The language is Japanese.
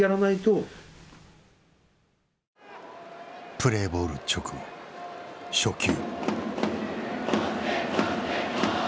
プレーボール直後初球。